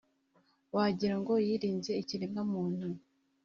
wagira ngo yirinze ikiremwamuntu,